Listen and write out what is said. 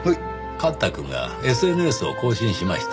幹太くんがＳＮＳを更新しました。